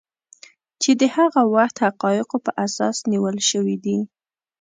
چې د هغه وخت حقایقو په اساس نیول شوي دي